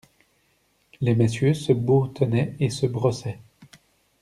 Les messieurs se boutonnaient et se brossaient.